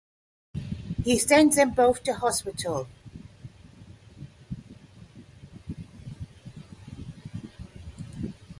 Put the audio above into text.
He sends them both to hospital.